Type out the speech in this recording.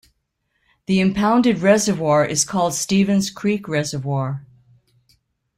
The impounded reservoir is called Stephens Creek Reservoir.